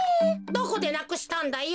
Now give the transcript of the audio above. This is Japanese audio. どこでなくしたんだよ？